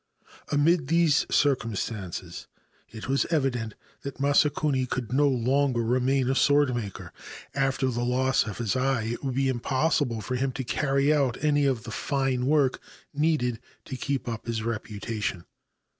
Amid these circumstances it was evident that Masakuni could no longer remain a swordmaker : after the loss of his eye it would be impossible for him to carry out any of the fine work needed to keep up his reputation.